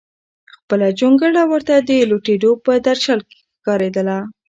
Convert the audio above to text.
خپله جونګړه ورته د لوټېدو په درشل ښکارېده.